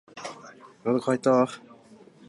喉乾いた